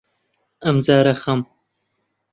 ئەمجارە خەم